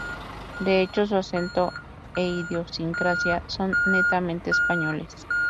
De hecho, su acento e idiosincrasia son netamente españoles.